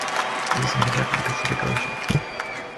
It was named after the Pacific Ocean.